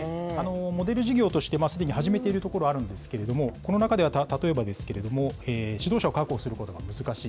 モデル事業としてすでに始めている所、あるんですけれども、この中では、例えばですけれども、指導者を確保することが難しい。